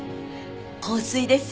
香水です。